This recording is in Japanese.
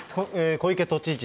小池都知事、